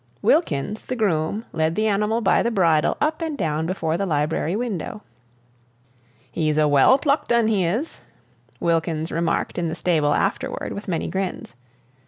Wilkins, the groom, led the animal by the bridle up and down before the library window. "He's a well plucked un, he is," Wilkins remarked in the stable afterward with many grins.